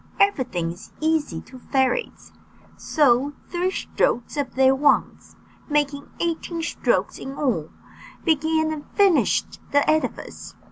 Everything is easy to fairies; so three strokes of their wands, making eighteen strokes in all, began and finished the edifice.